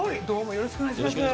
よろしくお願いします。